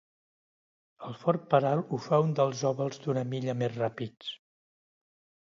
El fort peralt ho fa un dels ovals d'una milla més ràpids.